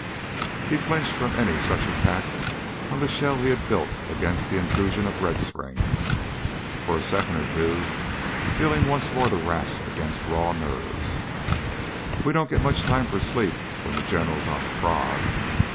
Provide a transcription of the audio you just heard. He flinched from any such attack on the shell he had built against the intrusion of Red Springs, for a second or two feeling once more the rasp across raw nerves. "We don't get much time for sleep when the General's on the prod.